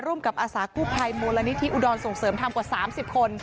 ร่วมกับอาศักดิ์ภายมูลนิธิอุดรส่งเสริมทำกว่า๓๐คน